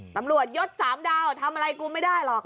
ตำรวจยศ๓ดาวทำอะไรกูไม่ได้หรอก